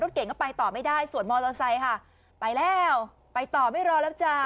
เก่งก็ไปต่อไม่ได้ส่วนมอเตอร์ไซค์ค่ะไปแล้วไปต่อไม่รอแล้วจ้า